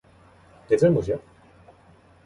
내 잘못이야?